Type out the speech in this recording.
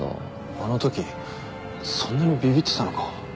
あのときそんなにビビってたのか。